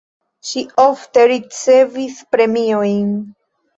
Ŝi ofte ricevis premiojn.